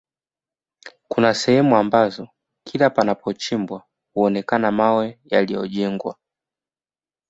Kuna sehemu ambazo kila panapochimbwa huonekana mawe yaliyojengwa